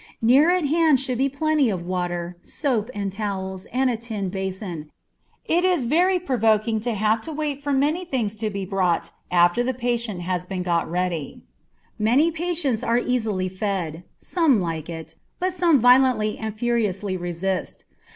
Near at hand should be plenty of water, soap, and towels, and a tin basin. It is very provoking to have to wait for many things to be brought after the patient has been got ready. Many patients are easily fed. Some like it, but some violently and furiously resist.